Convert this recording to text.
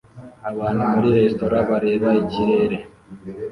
Abantu muri resitora bareba ikirere